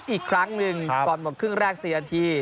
อีกครั้งหนึ่งก่อนหมดครึ่งแรก๔นาที